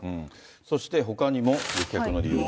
そしてほかにも、の理由で。